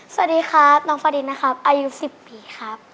สวัสดีครับน้องฟาดินนะครับอายุ๑๐ปีครับ